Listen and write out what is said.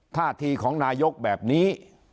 ท่าทีของนายกแบบนี้